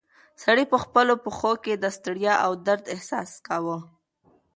سړی په خپلو پښو کې د ستړیا او درد احساس کاوه.